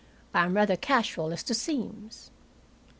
I am rather casual as to seams.